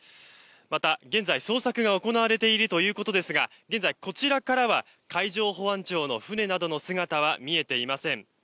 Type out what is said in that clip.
また、現在、捜索が行われているということですが現在、こちらからは海上保安庁の船などの姿は見えていません。